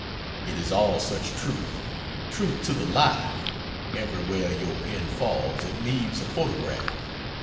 It is all such truth truth to the life; every where your pen falls it leaves a photograph.